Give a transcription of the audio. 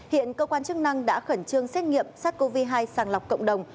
hiện cơ quan chức năng đã khẩn trương xét nghiệm sars cov hai sàng lọc cộng đồng